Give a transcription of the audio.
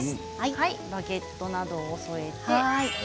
バゲットなどを添えて。